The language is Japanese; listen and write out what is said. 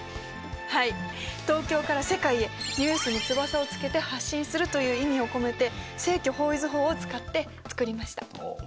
はい東京から世界へニュースに翼をつけて発信するという意味を込めて正距方位図法を使って作りました。